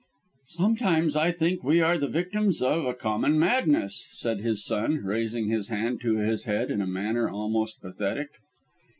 "Sometimes I think that we are the victims of a common madness," said his son, raising his hand to his head in a manner almost pathetic.